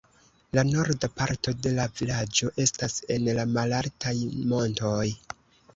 La norda parto de la vilaĝo estas en la malaltaj montoj.